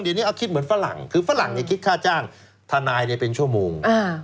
เดี๋ยวนี้เอาคิดเหมือนฝรั่งคือฝรั่งคิดค่าจ้างทนายเป็นชั่วโมง